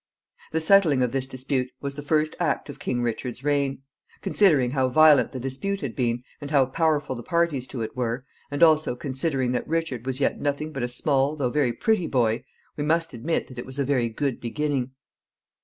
The settling of this dispute was the first act of King Richard's reign. Considering how violent the dispute had been, and how powerful the parties to it were, and also considering that Richard was yet nothing but a small though very pretty boy, we must admit that it was a very good beginning.